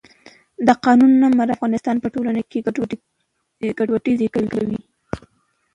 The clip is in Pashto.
د قانون نه مراعت د افغانستان په ټولنه کې ګډوډي زیږوي